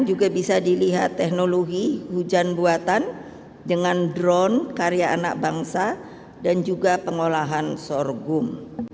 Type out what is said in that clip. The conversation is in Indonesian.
juga bisa dilihat teknologi hujan buatan dengan drone karya anak bangsa dan juga pengolahan sorghum